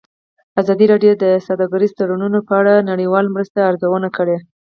ازادي راډیو د سوداګریز تړونونه په اړه د نړیوالو مرستو ارزونه کړې.